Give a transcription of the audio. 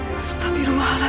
mas tapi rumah alasya